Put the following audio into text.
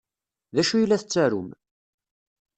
D acu ay la tettarum?